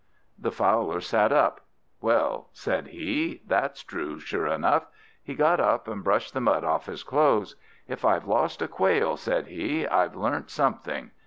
The Fowler sat up. "Well," said he, "that's true, sure enough." He got up and brushed the mud off his clothes. "If I have lost a Quail," said he, "I've learnt something."